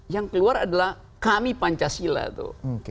yang keluar adalah kami pancasila tuh